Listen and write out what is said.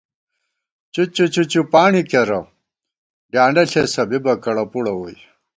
چُچّو چُچّوپانڈی کېرہ ، ڈیانڈہ ݪېسہ ، بِبہ کڑہ پُڑہ ووئی